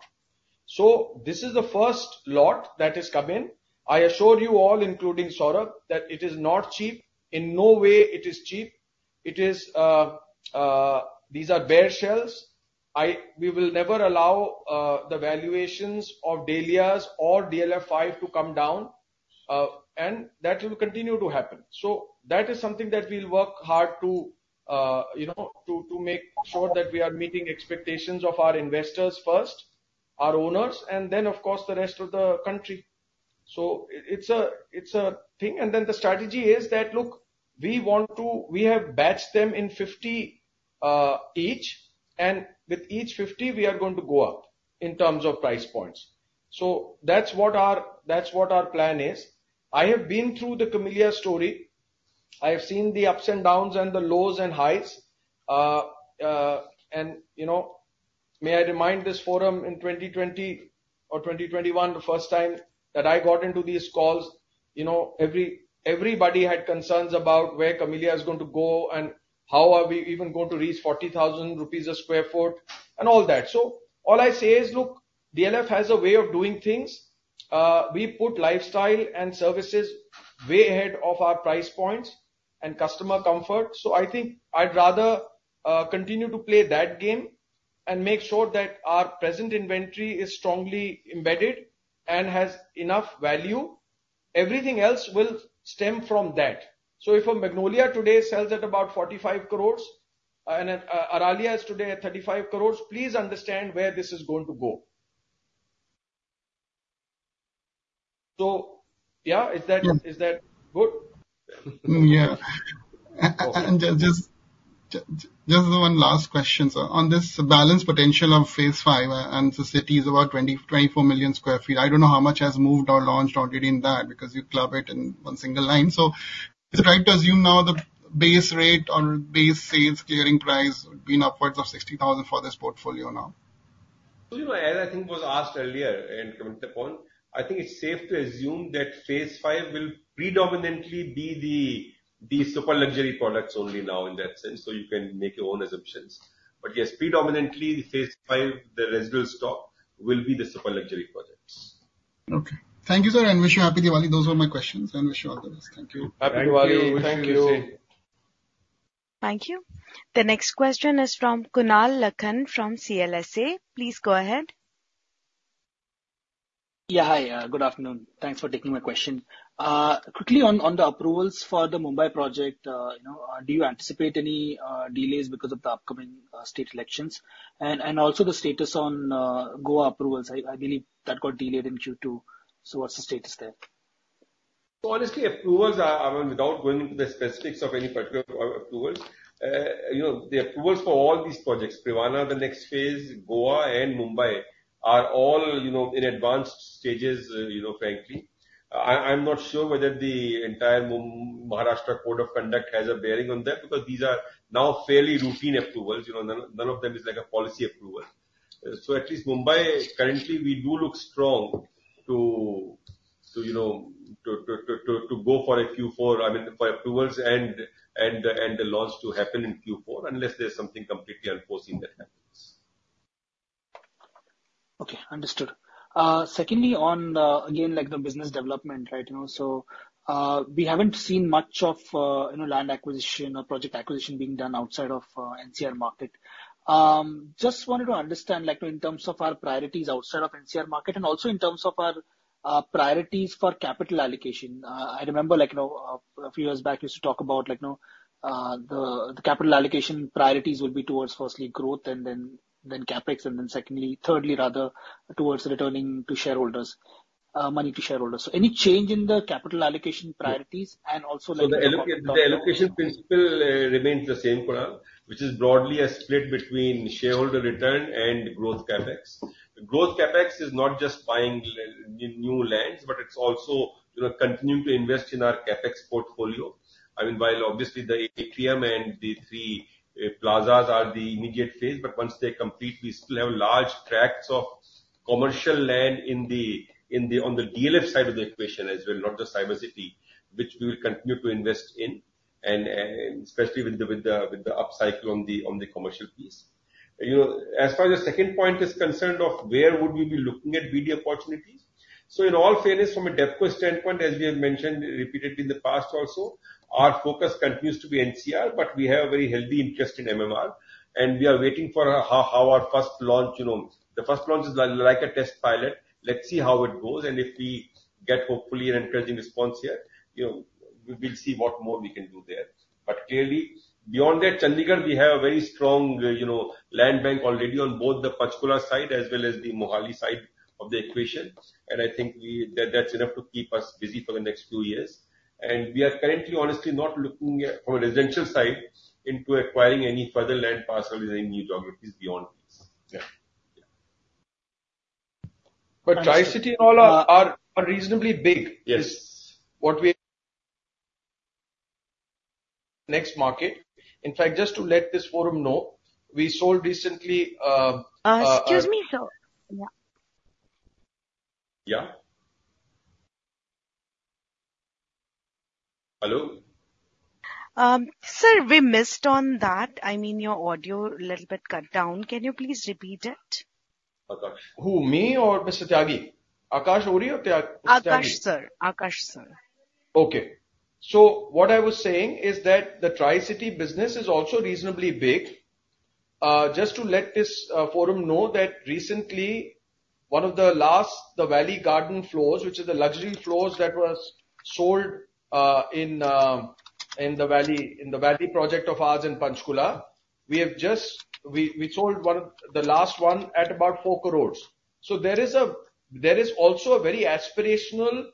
So this is the first lot that has come in. I assured you all, including Saurabh, that it is not cheap. In no way it is cheap. It is, these are bare shells. We will never allow, the valuations of Dahlias or DLF 5 to come down, and that will continue to happen. So that is something that we'll work hard to, you know, to make sure that we are meeting expectations of our investors first, our owners, and then, of course, the rest of the country. So it's a thing. And then the strategy is that, look, we want to. We have batched them in fifty each, and with each fifty, we are going to go up in terms of price points. So that's what our, that's what our plan is. I have been through the Camellias story. I have seen the ups and downs and the lows and highs. And, you know, may I remind this forum, in twenty twenty or twenty twenty-one, the first time that I got into these calls, you know, everybody had concerns about where Camellias is going to go and how are we even going to reach 40,000 rupees a sq ft and all that. So all I say is, look, DLF has a way of doing things. We put lifestyle and services way ahead of our price points and customer comfort. So I think I'd rather continue to play that game and make sure that our present inventory is strongly embedded and has enough value. Everything else will stem from that. So if a Magnolia today sells at about 45 crores and Aralia is today at 35 crores, please understand where this is going to go. So yeah, is that, is that good? Yeah. And just one last question, sir. On this balance potential of Phase 5, and the site is about 24 million sq ft. I don't know how much has moved or launched already in that, because you club it in one single line. So is it right to assume now the base rate or base sales clearing price would be upwards of 60,000 for this portfolio now? So, you know, as I think was asked earlier and commented upon, I think it's safe to assume that phase five will predominantly be the super luxury products only now in that sense, so you can make your own assumptions. But yes, predominantly, the phase five, the residual stock will be the super luxury projects. Okay. Thank you, sir, and wish you happy Diwali. Those were my questions, and wish you all the best. Thank you. Happy Diwali. Thank you. Thank you. Thank you. The next question is from Kunal Lakhan, from CLSA. Please go ahead. Yeah, hi. Good afternoon. Thanks for taking my question. Quickly on the approvals for the Mumbai project, you know, do you anticipate any delays because of the upcoming state elections? And also the status on Goa approvals. I believe that got delayed in Q2. So what's the status there? Honestly, approvals are, I mean, without going into the specifics of any particular approvals, you know, the approvals for all these projects, Privana, the next phase, Goa and Mumbai, are all, you know, in advanced stages, frankly. I'm not sure whether the entire Mumbai-Maharashtra code of conduct has a bearing on that, because these are now fairly routine approvals, you know, none of them is like a policy approval. So at least Mumbai, currently, we do look strong to, you know, to go for a Q4, I mean, for approvals and the launch to happen in Q4, unless there's something completely unforeseen that happens. Okay, understood. Secondly, on, again, like the business development, right, you know, so, we haven't seen much of, you know, land acquisition or project acquisition being done outside of, NCR market. Just wanted to understand, like, in terms of our priorities outside of NCR market, and also in terms of our, priorities for capital allocation. I remember, like, you know, a few years back, you used to talk about like, you know, the capital allocation priorities would be towards firstly, growth and then CapEx, and then secondly, thirdly rather, towards returning to shareholders, money to shareholders. So any change in the capital allocation priorities and also like- The allocation principle remains the same, Kunal, which is broadly a split between shareholder return and growth CapEx. Growth CapEx is not just buying new lands, but it's also, you know, continuing to invest in our CapEx portfolio. I mean, while obviously the atrium and the three plazas are the immediate phase, but once they're complete, we still have large tracts of commercial land in the on the DLF side of the equation as well, not just Cyber City, which we will continue to invest in, and especially with the upcycle on the commercial piece. You know, as far as the second point is concerned of where would we be looking at BD opportunities, so in all fairness, from a DevCo standpoint, as we have mentioned repeatedly in the past also, our focus continues to be NCR, but we have a very healthy interest in MMR, and we are waiting for our, how our first launch, you know... The first launch is like a test pilot. Let's see how it goes, and if we get hopefully an encouraging response here, you know, we will see what more we can do there. But clearly, beyond that, Chandigarh, we have a very strong, you know, land bank already on both the Panchkula side as well as the Mohali side of the equation, and I think that's enough to keep us busy for the next two years. We are currently, honestly, not looking at, from a residential side, into acquiring any further land parcels in any new geographies beyond this. Yeah. Yeah. But Tri-city and all are reasonably big. Yes. Is what we ... next market. In fact, just to let this forum know, we sold recently, Excuse me, sir. Yeah. Yeah? Hello? Sir, we missed on that. I mean, your audio a little bit cut down. Can you please repeat it? Akash. Who, me or Mr. Tyagi? Aakash, Audrey, or Mr. Tyagi? Aakash, sir. Aakash, sir. Okay. What I was saying is that the Tri-City business is also reasonably big. Just to let this forum know that recently, one of the last, the Valley Gardens floors, which is the luxury floors that was sold, in the Valley project of ours in Panchkula, we have just sold one, the last one at about four crores. So there is also a very aspirational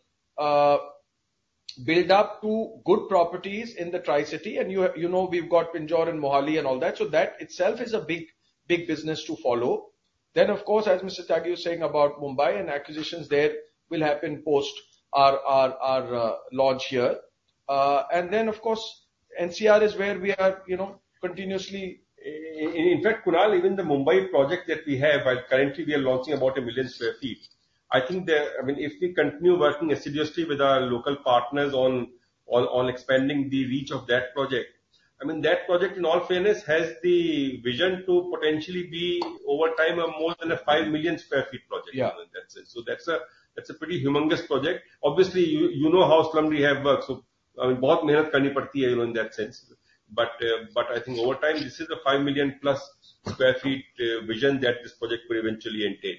build-up to good properties in the Tri-City, and you know, we've got Pinjore and Mohali and all that. So that itself is a big, big business to follow. Then, of course, as Mr. Tyagi was saying about Mumbai and acquisitions there will happen post our launch here. And then, of course, NCR is where we are, you know, continuously... In fact, Kunal, even the Mumbai project that we have, currently we are launching about a million sq ft. I think there, I mean, if we continue working assiduously with our local partners on, on, on expanding the reach of that project, I mean, that project, in all fairness, has the vision to potentially be, over time, a more than a five million sq ft project- Yeah. In that sense. So that's a pretty humongous project. Obviously, you know how long we have worked, so, I mean, in that sense. But, but I think over time, this is the five million plus sq ft vision that this project will eventually entail.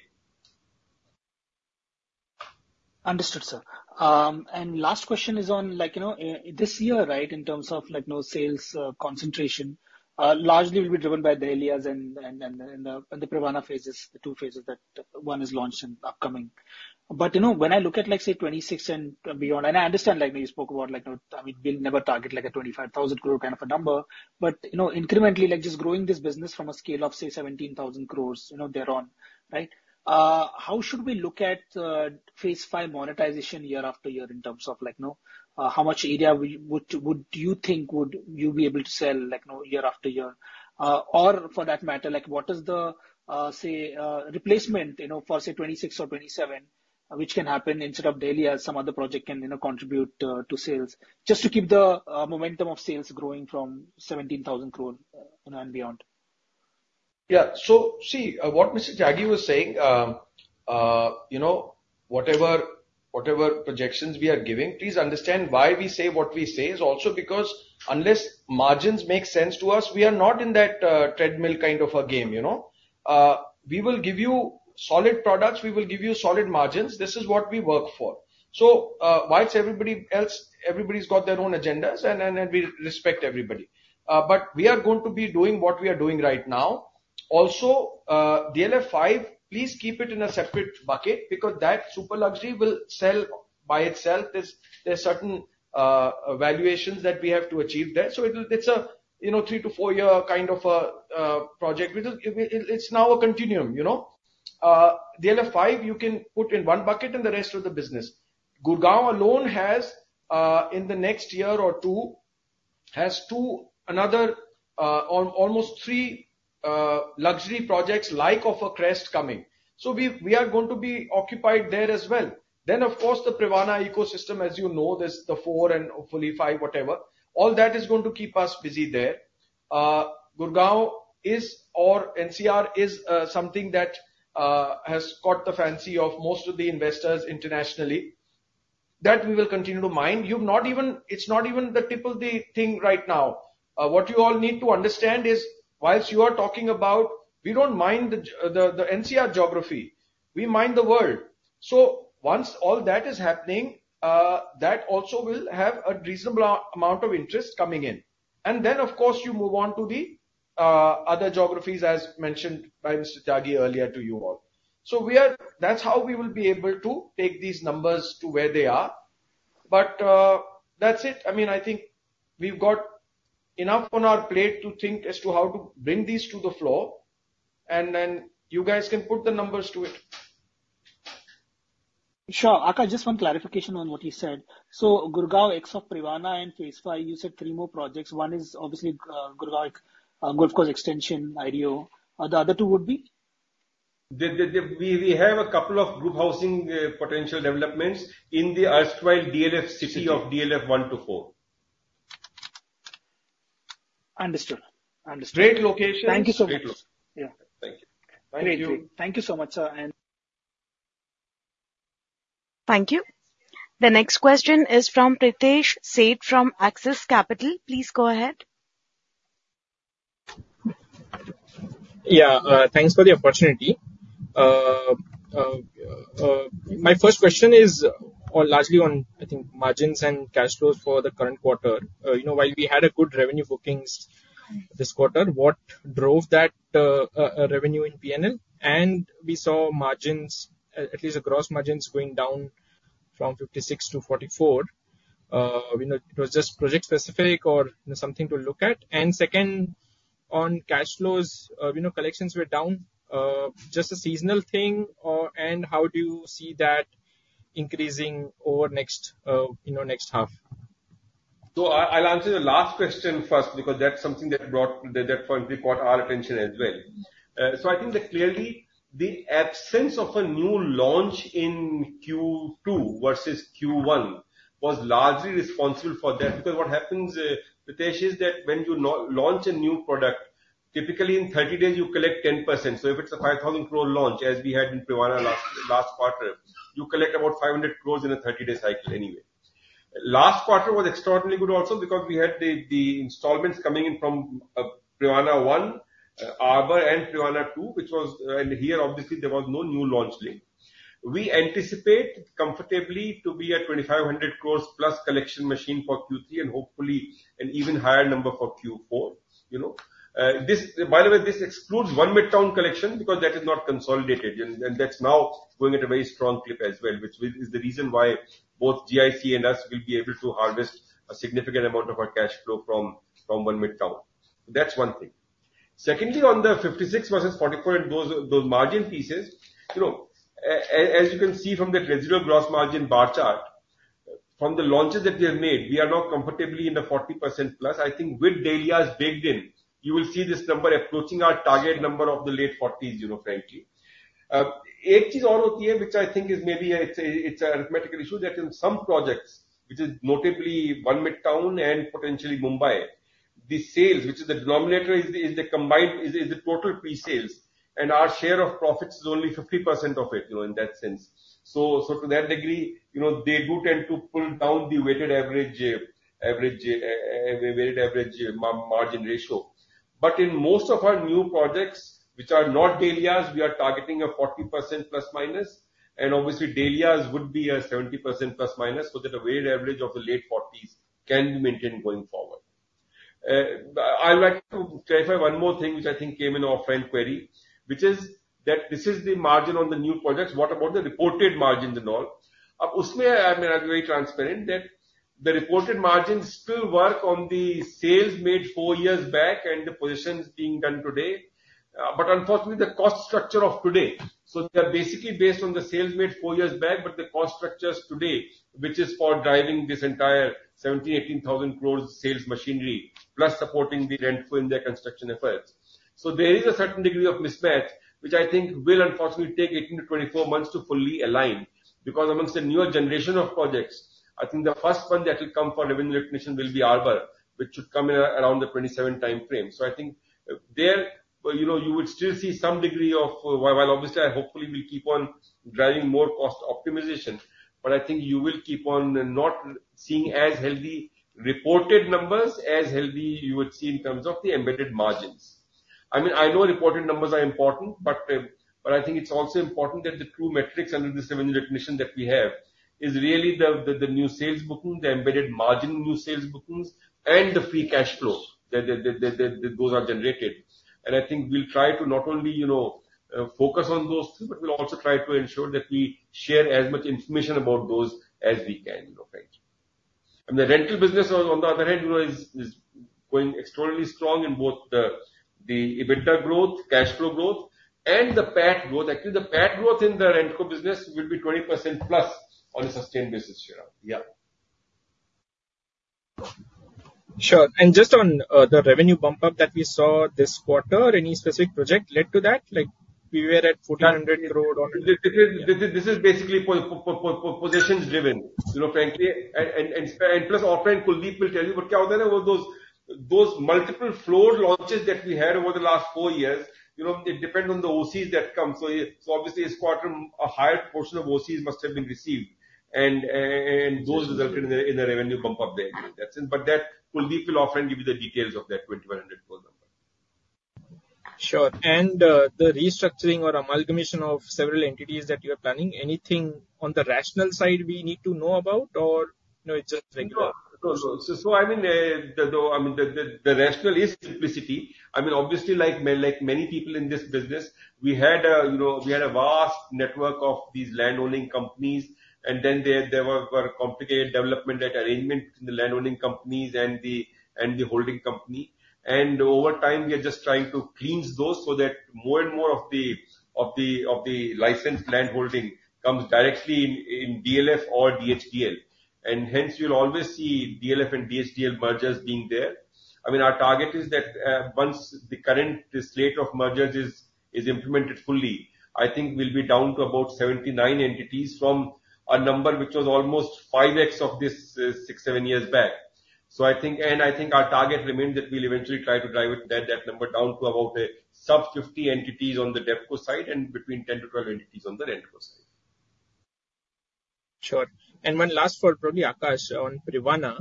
...Understood, sir. And last question is on, like, you know, this year, right? In terms of, like, new sales concentration, largely will be driven by Dahlias and the Privana phases, the two phases that one is launched and upcoming. But, you know, when I look at, like, say, twenty-six and beyond, and I understand, like, when you spoke about, like, you know, I mean, we'll never target, like, a 25,000 crore kind of a number, but, you know, incrementally, like, just growing this business from a scale of, say, 17,000 crores, you know, thereon, right? How should we look at phase five monetization year after year in terms of like, you know, how much area would you think you would be able to sell, like, you know, year after year? Or for that matter, like, what is the, say, replacement, you know, for, say, 2026 or 2027, which can happen instead of The Dahlias. Some other project can, you know, contribute to sales, just to keep the momentum of sales growing from 17,000 crore, you know, and beyond. Yeah. So, see, what Mr. Tyagi was saying, you know, whatever projections we are giving, please understand why we say what we say. It's also because unless margins make sense to us, we are going not in that treadmill kind of a game, you know? We will give you solid products, we will give you solid margins. This is what we work for. So, whilst everybody else, everybody's got their own agendas, and we respect everybody. But we are going to be doing what we are doing right now. Also, DLF 5, please keep it in a separate bucket, because that super luxury will sell by itself. There are certain valuations that we have to achieve there. So it'll- it's a, you know, three to four-year kind of a project. It's now a continuum, you know? DLF 5, you can put in one bucket and the rest of the business. Gurgaon alone has, in the next year or two, two, another, or almost three luxury projects, like The Crest coming. So we are going to be occupied there as well. Then, of course, the Privana ecosystem, as you know, there's the four and hopefully five, whatever. All that is going to keep us busy there. Gurgaon is, or NCR is, something that has caught the fancy of most of the investors internationally. That we will continue to mine. You've not even. It's not even the tip of the iceberg thing right now. What you all need to understand is, while you are talking about, we don't mind the geography, the NCR geography, we mind the world. So once all that is happening, that also will have a reasonable amount of interest coming in. And then, of course, you move on to the other geographies, as mentioned by Mr. Jaggi earlier to you all. So we are. That's how we will be able to take these numbers to where they are. But, that's it. I mean, I think we've got enough on our plate to think as to how to bring these to the floor, and then you guys can put the numbers to it. Sure. Aakash, just one clarification on what you said. So Gurgaon next of Privana and phase five, you said three more projects. One is obviously, Gurgaon, Golf Course Extension, IRO. The other two would be? We have a couple of group housing potential developments in the erstwhile DLF City of DLF one to four. Understood. Understood. Great locations. Thank you so much. Great locations. Yeah. Thank you. Great. Thank you. Thank you so much, sir, and- Thank you. The next question is from Pritesh Sheth from Axis Capital. Please go ahead. Yeah, thanks for the opportunity. My first question is on, largely on, I think margins and cash flows for the current quarter. You know, while we had a good revenue bookings this quarter, what drove that revenue in PNL? And we saw margins, at least the gross margins, going down from 56% to 44%. You know, it was just project specific or something to look at? And second, on cash flows, you know, collections were down. Just a seasonal thing, or, and how do you see that increasing over next, you know, next half? So I'll answer the last question first, because that's something that point caught our attention as well. So I think that clearly the absence of a new launch in Q2 versus Q1 was largely responsible for that. Because what happens, Pritesh, is that when you launch a new product, typically in 30 days you collect 10%. So if it's a 500 crore launch, as we had in Privana last quarter, you collect about 500 crores in a 30-day cycle anyway. Last quarter was extraordinarily good also because we had the installments coming in from Privana One, Arbour, and Privana Two, which was and here, obviously, there was no new launch link. We anticipate comfortably to be a 2,500 crores plus collection machine for Q3, and hopefully an even higher number for Q4, you know. This, by the way, this excludes One Midtown collection, because that is not consolidated, and that's now growing at a very strong clip as well, which is the reason why both GIC and us will be able to harvest a significant amount of our cash flow from One Midtown. That's one thing. Secondly, on the fifty-six versus forty-four and those margin pieces, you know, as you can see from the residual gross margin bar chart, from the launches that we have made, we are now comfortably in the 40% plus. I think with Dahlias baked in, you will see this number approaching our target number of the late 40s%, you know, frankly. Which I think is maybe a, it's an arithmetical issue, that in some projects, which is notably One Midtown and potentially Mumbai, the sales, which is the denominator, is the combined, is the total pre-sales, and our share of profits is only 50% of it, you know, in that sense. So to that degree, you know, they do tend to pull down the weighted average margin ratio. ... But in most of our new projects, which are not Dahlias, we are targeting a 40% plus minus, and obviously, Dahlias would be a 70% plus minus, so that a weighted average of the late 40s% can be maintained going forward. I'd like to clarify one more thing, which I think came in our friend query, which is that this is the margin on the new projects. What about the reported margins and all? I mean, I'm very transparent that the reported margins still work on the sales made four years back and the provisions being done today, but unfortunately, the cost structure of today. So they're basically based on the sales made four years back, but the cost structure is today, which is for driving this entire 70-80 thousand growth sales machinery, plus supporting the RentCo in their construction efforts. There is a certain degree of mismatch, which I think will unfortunately take 18-24 months to fully align. Because amongst the newer generation of projects, I think the first one that will come for revenue recognition will be Arbour, which should come in around the 2027 timeframe. There, you know, you would still see some degree of, well, obviously, I hopefully will keep on driving more cost optimization. But I think you will keep on not seeing as healthy reported numbers, as healthy you would see in terms of the embedded margins. I mean, I know reported numbers are important, but but I think it's also important that the two metrics under the revenue recognition that we have is really the new sales bookings, the embedded margin new sales bookings, and the free cash flow, that those are generated. I think we'll try to not only, you know, focus on those, but we'll also try to ensure that we share as much information about those as we can, you know? Thank you. The rental business on the other hand, you know, is going extraordinarily strong in both the EBITDA growth, cash flow growth, and the PAT growth. Actually, the PAT growth in the RentCo business will be 20% plus on a sustained basis, Sriram. Yeah. Sure. And just on, the revenue bump up that we saw this quarter, any specific project led to that? Like, we were at fourteen hundred crore or- This is basically positions driven, you know, frankly, and plus, offline Kuldeep will tell you, but those multiple floor launches that we had over the last four years, you know. It depends on the OCs that come. So obviously, this quarter, a higher portion of OCs must have been received, and those resulted in a revenue bump up there. That's it. But Kuldeep will often give you the details of that 2,100 number. Sure. And, the restructuring or amalgamation of several entities that you are planning, anything on the rationale side we need to know about, or, you know, it's just regular? No. So I mean, the rationale is simplicity. I mean, obviously, like many people in this business, we had a, you know, we had a vast network of these landowning companies, and then there were complicated development and arrangement in the landowning companies and the holding company. And over time, we are just trying to cleanse those so that more and more of the licensed land holding comes directly in DLF or DHDL. And hence, you'll always see DLF and DHDL mergers being there. I mean, our target is that once the current slate of mergers is implemented fully, I think we'll be down to about 79 entities from a number which was almost five times of this six, seven years back. So I think... I think our target remains that we'll eventually try to drive it, that number down to about a sub-50 entities on the DevCo side and between 10 to 12 entities on the RentCo side. Sure. And one last for probably Aakash on Privana.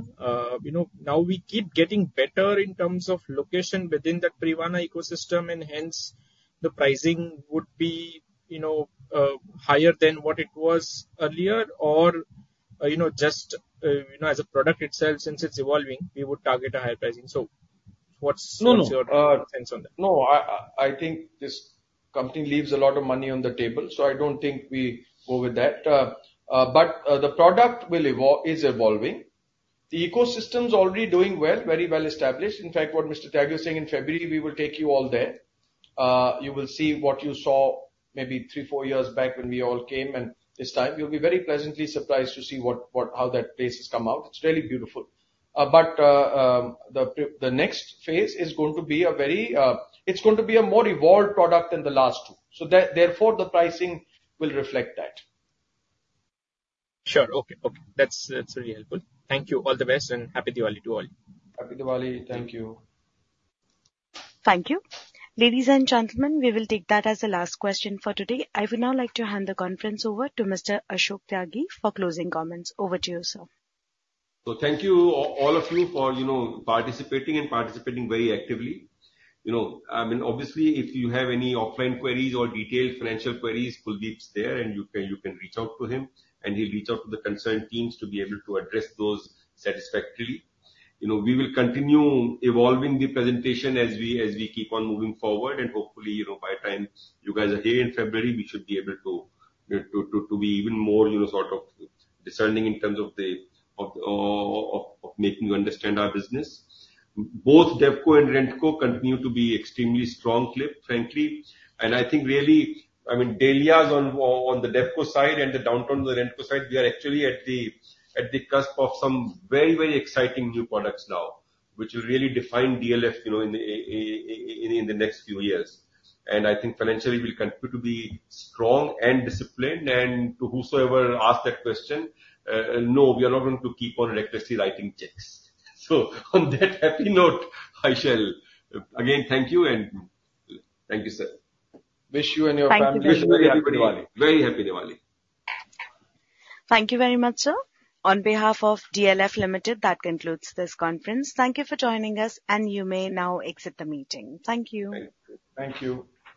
You know, now we keep getting better in terms of location within that Privana ecosystem, and hence, the pricing would be, you know, higher than what it was earlier, or, you know, just, you know, as a product itself, since it's evolving, we would target a higher pricing. So what's- No, no. Your sense on that? No, I think this company leaves a lot of money on the table, so I don't think we go with that. But, the product is evolving. The ecosystem's already doing well, very well established. In fact, what Mr. Tyagi is saying, in February, we will take you all there. You will see what you saw maybe three, four years back when we all came, and this time, you'll be very pleasantly surprised to see what, how that place has come out. It's really beautiful. But, the next phase is going to be a very. It's going to be a more evolved product than the last two. Therefore, the pricing will reflect that. Sure. Okay, okay. That's, that's really helpful. Thank you. All the best, and Happy Diwali to all. Happy Diwali. Thank you. Thank you. Ladies and gentlemen, we will take that as the last question for today. I would now like to hand the conference over to Mr. Ashok Tyagi for closing comments. Over to you, sir. Thank you, all of you for, you know, participating very actively. You know, I mean, obviously, if you have any offline queries or detailed financial queries, Kuldeep's there, and you can reach out to him, and he'll reach out to the concerned teams to be able to address those satisfactorily. You know, we will continue evolving the presentation as we keep on moving forward, and hopefully, you know, by the time you guys are here in February, we should be able to to be even more, you know, sort of discerning in terms of the, of making you understand our business. Both DevCo and RentCo continue to be extremely strong clip, frankly. And I think really, I mean, Dahlias on the DevCo side and the downtown on the RentCo side, we are actually at the cusp of some very, very exciting new products now, which will really define DLF, you know, in the next few years. And I think financially, we'll continue to be strong and disciplined. And to whosoever asked that question, no, we are not going to keep on recklessly writing checks. So on that happy note, I shall again thank you, and thank you, sir. Wish you and your family- Thank you. Happy Diwali. Very happy Diwali. Thank you very much, sir. On behalf of DLF Limited, that concludes this conference. Thank you for joining us, and you may now exit the meeting. Thank you. Thank you.